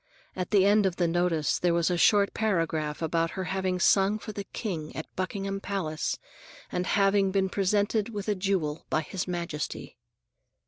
At the end of the notice, there was a short paragraph about her having sung for the King at Buckingham Palace and having been presented with a jewel by His Majesty.